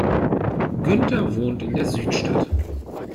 Günther wohnt in der Südstadt.